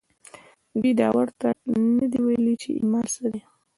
دوی دا ورته نه دي ويلي چې ايمان څه دی.